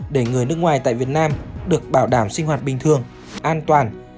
để người nước ngoài tại việt nam được bảo đảm sinh hoạt bình thường an toàn